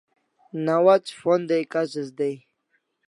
Nawats phonday kasis day